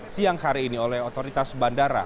siang hari ini oleh otoritas bandara